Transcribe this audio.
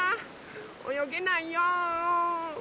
およげないよ。